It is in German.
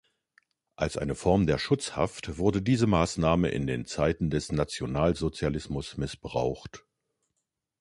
Als eine Form der Schutzhaft wurde diese Maßnahme in den Zeiten des Nationalsozialismus missbraucht.